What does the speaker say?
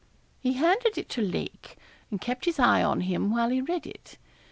He handed it to Lake, and kept his eye on him while he read it.